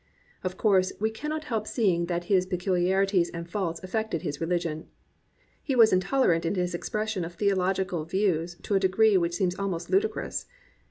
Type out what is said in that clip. Of course, we cannot help seeing that his peculi arities and faults affected his religion. He was in tolerant in his expression of theological views to a degree which seems almost ludicrous.